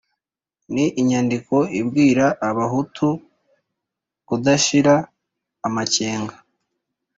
ni inyandiko ibwira abahutu kudashira amakenga